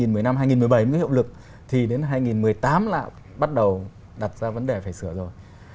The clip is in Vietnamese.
mấy cái hiệu lực thì đến hai nghìn một mươi tám là bắt đầu đặt ra vấn đề phải sửa rồi